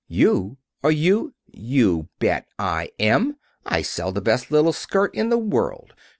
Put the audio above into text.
"You! Are you " "You bet I am. I sell the best little skirt in the world.